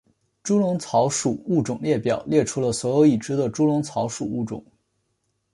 猪笼草属物种列表列出了所有已知的猪笼草属物种。